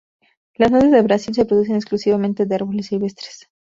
Las nueces de Brasil se producen exclusivamente de árboles silvestres.